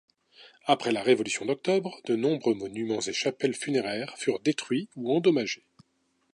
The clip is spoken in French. Après la Révolution d'Octobre, de nombreux monuments et chapelles funéraires furent détruits ou endommagés.